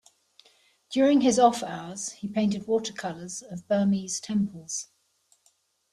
During his off hours, he painted watercolors of Burmese temples.